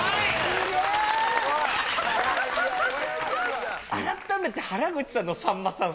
すごい！改めて原口さんのさんまさん